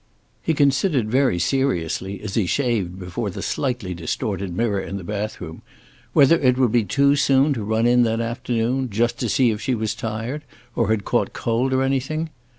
He considered very seriously, as he shaved before the slightly distorted mirror in the bathroom, whether it would be too soon to run in that afternoon, just to see if she was tired, or had caught cold or anything?